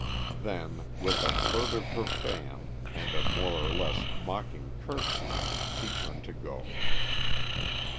Then, with a flirt of her fan and a more or less mocking curtsey, she turned to go.